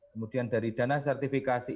kemudian dari dana sertifikasi